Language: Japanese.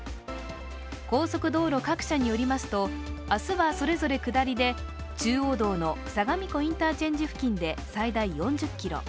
高速道路各社によりますと、明日はそれぞれ下りで中央道の相模湖インターチェンジ付近で、最大４０ｋｍ。